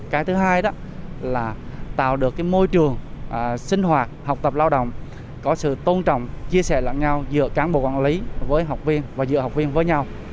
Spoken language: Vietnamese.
cái thứ hai đó là tạo được môi trường sinh hoạt học tập lao động có sự tôn trọng chia sẻ lặng nhau giữa cán bộ quản lý với học viên và giữa học viên với nhau